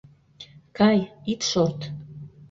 Кай, ит шорт!